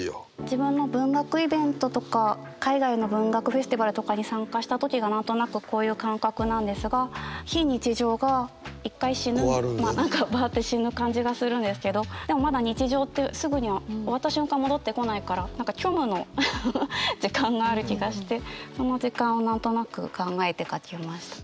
自分の文学イベントとか海外の文学フェスティバルとかに参加した時が何となくこういう感覚なんですが非日常が一回死ぬ何かバアって死ぬ感じがするんですけどでもまだ日常ってすぐには終わった瞬間戻ってこないから何か虚無の時間がある気がしてその時間を何となく考えて書きました。